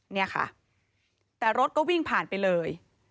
เนี่ยค่ะแต่รถก็วิ่งผ่านไปเลย